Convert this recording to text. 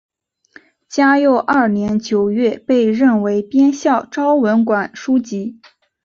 嘉佑二年九月被任为编校昭文馆书籍。